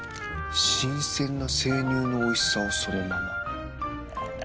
新鮮な生乳のおいしさをそのまま。